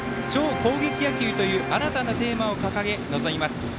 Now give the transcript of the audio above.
超攻撃野球という新たなテーマを掲げ臨みます。